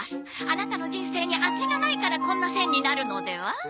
アナタの人生に味がないからこんな線になるのでは？